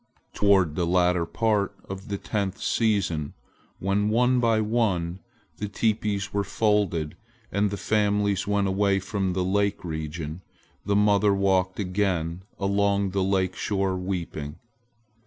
Toward the latter part of the tenth season when, one by one, the teepees were folded and the families went away from the lake region, the mother walked again along the lake shore weeping.